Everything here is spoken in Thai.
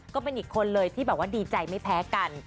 ก็เป็นอีกคนเลยที่แบบว่าดีใจไม่แพ้กัน